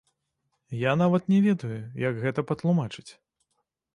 Я, нават, не ведаю, як гэта патлумачыць.